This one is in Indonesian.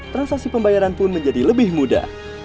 transaksi pembayaran pun menjadi lebih mudah